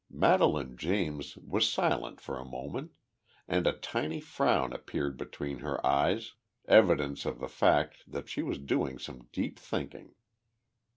Madelaine James was silent for a moment, and a tiny frown appeared between her eyes, evidence of the fact that she was doing some deep thinking.